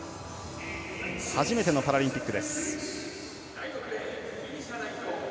初めてのパラリンピックです。